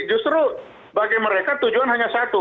justru bagi mereka tujuan hanya satu